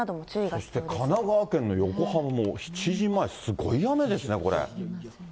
そして神奈川県の横浜も、７時前、すごい雨でしたね、これ。